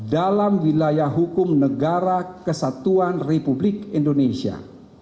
dalam wilayah hukum negara kesatuan republik indonesia